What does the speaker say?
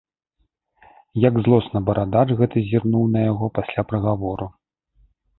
Як злосна барадач гэты зірнуў на яго пасля прыгавору.